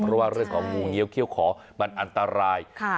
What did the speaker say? เพราะว่าเรื่องของงูเงี้ยวเขี้ยวขอมันอันตราย